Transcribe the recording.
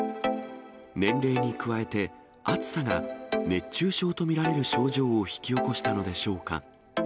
年齢に加えて、暑さが熱中症と見られる症状を引き起こしたのでしょうか。